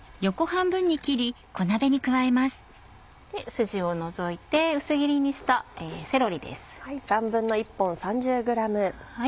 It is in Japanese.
筋を除いて薄切りにしたセロリです。